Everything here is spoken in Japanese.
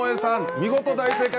見事大正解。